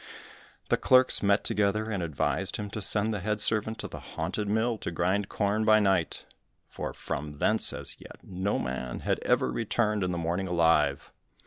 The clerks met together and advised him to send the head servant to the haunted mill to grind corn by night, for from thence as yet no man had ever returned in the morning alive.